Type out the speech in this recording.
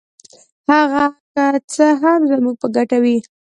هغه که څه هم زموږ په ګټه وي.